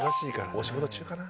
お仕事中かな？